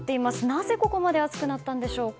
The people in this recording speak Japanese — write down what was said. なぜここまで暑くなったんでしょうか。